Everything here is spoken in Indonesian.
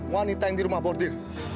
wanita yang di rumah bordir